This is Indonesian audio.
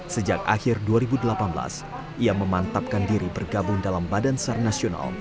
sejak akhir dua ribu delapan belas ia memantapkan diri bergabung dalam badan sar nasional